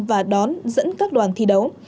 và đón dẫn các đoàn thi đấu